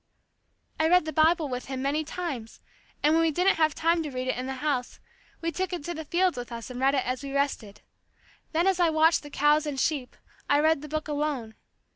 I read the Bible with him many times, and when we didn't have time to read it in the house, we took it to the fields with us and read it as we rested. Then as I watched the cows and sheep, I read the Book alone.